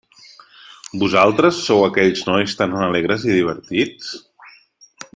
Vosaltres sou aquells nois tan alegres i divertits?